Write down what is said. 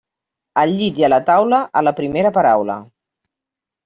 Al llit i a la taula, a la primera paraula.